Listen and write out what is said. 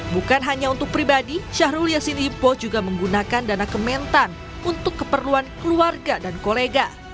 bukan hanya untuk pribadi syahrul yassin limpo juga menggunakan dana kementan untuk keperluan keluarga dan kolega